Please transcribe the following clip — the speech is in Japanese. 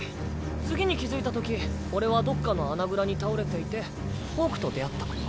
次に気付いたとき俺はどっかの穴蔵に倒れていてホークと出会った。